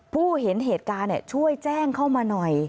ผู้เห็นเหตุการณ์ช่วยแจ้งเข้ามาหน่อย